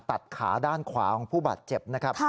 ตัดขาด้านขวาของผู้บาดเจ็บนะครับ